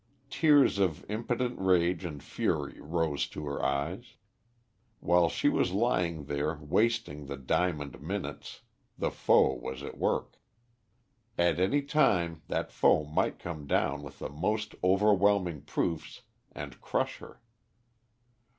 Tears of impotent rage and fury rose to her eyes. While she was lying there wasting the diamond minutes the foe was at work. At any time that foe might come down with the most overwhelming proofs and crush her.